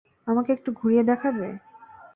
আমাকে একটু ঘুরিয়ে দেখাবে?